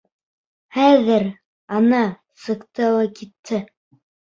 Хәҙер, ана, сыҡты ла китте.